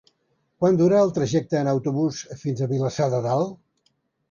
Quant dura el trajecte en autobús fins a Vilassar de Dalt?